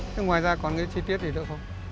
thế ngoài ra còn cái chi tiết gì nữa không